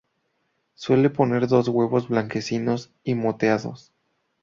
Suele poner dos huevos blanquecinos y moteados.